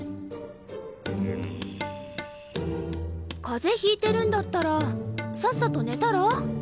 風邪ひいてるんだったらさっさと寝たら？